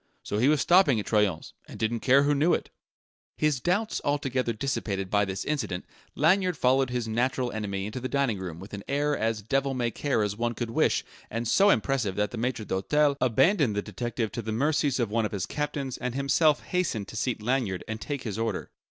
So he was stopping at Troyon's and didn't care who knew it! His doubts altogether dissipated by this incident, Lanyard followed his natural enemy into the dining room with an air as devil may care as one could wish and so impressive that the maitre d'hotel abandoned the detective to the mercies of one of his captains and himself hastened to seat Lanyard and take his order.